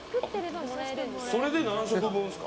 それで何食分ですか？